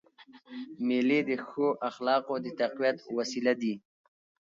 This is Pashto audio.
مېلې د ښو اخلاقو د تقویت وسیله دي.